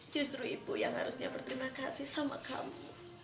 justru ibu yang harusnya berterima kasih sama kamu